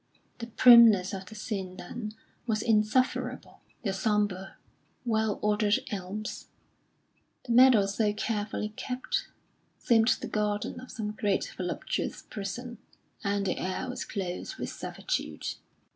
The primness of the scene then was insufferable; the sombre, well ordered elms, the meadows so carefully kept, seemed the garden of some great voluptuous prison, and the air was close with servitude.